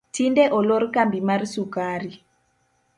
Tinde olor kambi mar sukari